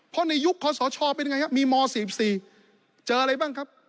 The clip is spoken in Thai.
เพราะในยุคคอสชเป็นยังไงครับมีม๔๔เจออะไรบ้างครับ